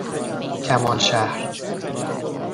کمالشهر